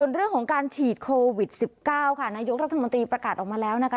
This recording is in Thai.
เรื่องของการฉีดโควิด๑๙ค่ะนายกรัฐมนตรีประกาศออกมาแล้วนะคะ